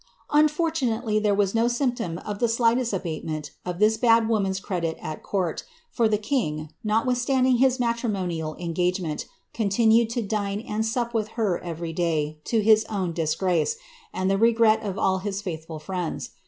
Unfortunately there was oo symptom of the slightest abatement of this bad woman's credit at court*, for the king, notwithstanding his matrimonial engagement, continaed to dine and sup with her every day, to his own disgrace, and the regret of all his faithful friends.